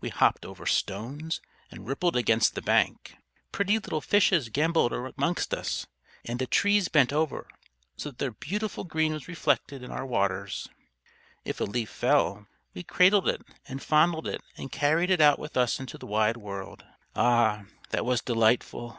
We hopped over stones and rippled against the bank. Pretty little fishes gambolled amongst us, and the trees bent over so that their beautiful green was reflected in our waters. If a leaf fell, we cradled it and fondled it and carried it out with us into the wide world. Ah, that was delightful!